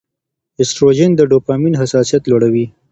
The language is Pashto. ایسټروجن د ډوپامین حساسیت لوړوي.